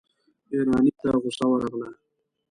ايراني ته غصه ورغله.